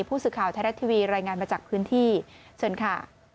ผู้สื่อข่าวไทยรัฐทีวีรายงานมาจากพื้นที่เชิญค่ะ